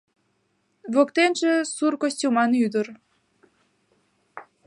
Воктенже сур костюман ӱдыр.